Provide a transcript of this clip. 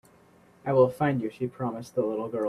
"I will find you.", she promised the little girl.